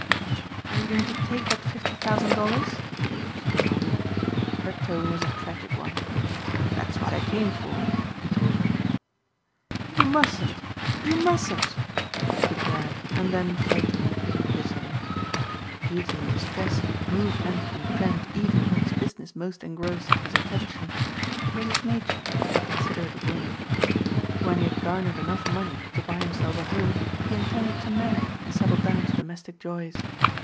"Are you going to take that fifty thousand dollars?" she demanded. Her tone was a tragic one. "That's what I came for," he told her. "You mustn't, you mustn't," she declared and then fell to weeping bitterly. Beauty in distress moved Anthony Trent even when his business most engrossed his attention. It was his nature to be considerate of women. When he had garnered enough money to buy himself a home he intended to marry and settle down to domestic joys.